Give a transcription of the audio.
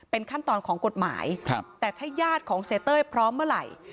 เป็นขั้นตอนของกฎหมายแต่ถ้าญาติของเสียเต้ยพร้อมเมื่อไหร่